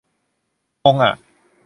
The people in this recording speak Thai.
งงอ่ะ